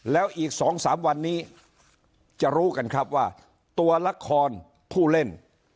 แล้วอีก๒๓วันนี้จะรู้กันครับว่าตัวละครผู้เล่น